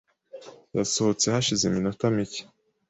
Yasohotse hashize iminota mike .